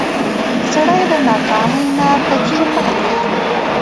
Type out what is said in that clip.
سړی د ناکامۍ نه تجربه اخلي